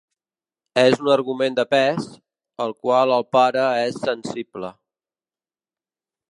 És un argument de pes, al qual el pare és sensible.